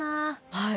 はい。